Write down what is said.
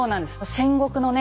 戦国のね